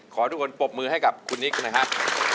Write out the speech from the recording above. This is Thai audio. ขอทุกคนปรบมือให้กับคุณนิกนะครับ